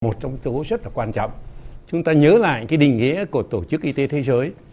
một trong số rất là quan trọng chúng ta nhớ lại cái định nghĩa của tổ chức y tế thế giới